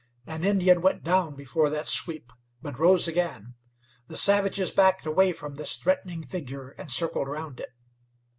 An Indian went down before that sweep, but rose again. The savages backed away from this threatening figure, and circled around it.